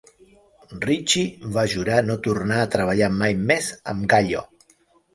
Ricci va jurar no tornar a treballar mai més amb Gallo.